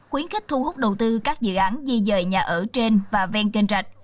khuyến khích thu hút đầu tư các dự án di dời nhà ở trên và ven kênh rạch